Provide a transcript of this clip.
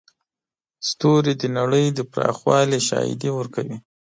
ستوري د نړۍ د پراخوالي شاهدي ورکوي.